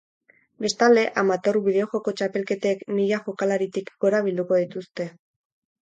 Bestalde, amateur bideojoko txapelketek mila jokalaritik gora bilduko dituzte.